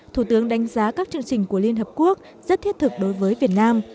thủ tướng đánh giá các chương trình của liên hợp quốc rất thiết thực đối với việt nam